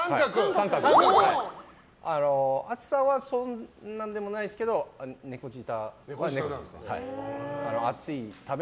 熱さはそんなでもないですけど猫舌は猫舌です。